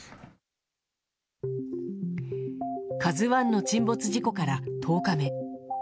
「ＫＡＺＵ１」の沈没事故から１０日目。